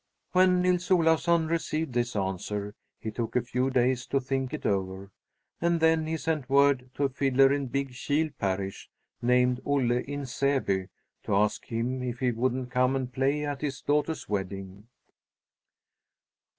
When Nils Olafsson received this answer, he took a few days to think it over, and then he sent word to a fiddler in Big Kil parish, named Olle in Säby, to ask him if he wouldn't come and play at his daughter's wedding.